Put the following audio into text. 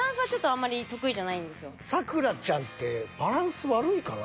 咲楽ちゃんってバランス悪いかな？